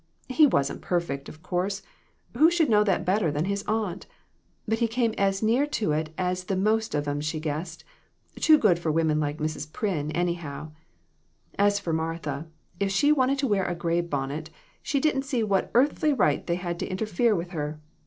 He wasn't perfect, of course ; who should know that better than his aunt ? But he came as near to it as the most of 'em, she guessed too good for women like Mrs. Pryn, anyhow. As for Martha, if she wanted to wear a gray bonnet, she didn't see what earthly right they had to interfere with her.